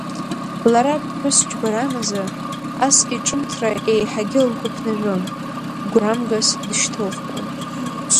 Лара ԥҳәыс џьбаран азы, ас иҿымҭра еиҳагьы лгәы ԥнажәон, гәрамгас дышьҭылхуан.